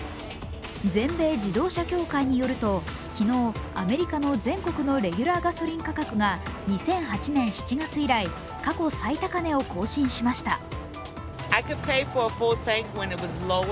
全米自動車協会によると、昨日、アメリカの全国のレギュラーガソリン価格が２００８年７月以来、過去最高値を更新しました。